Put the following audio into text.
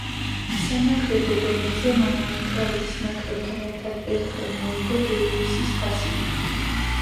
სანაკრებო დონეზე, მან ავსტრალიის ნაკრებთან ერთად ერთხელ მოიგო დეივისის თასი.